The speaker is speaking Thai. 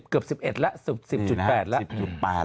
เกือบ๑๑แล้ว๑๐๘แล้ว